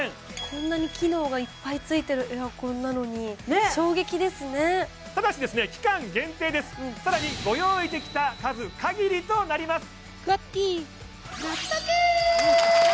こんなに機能がいっぱいついてるエアコンなのに衝撃ですねただしですね期間限定です更にご用意できた数限りとなります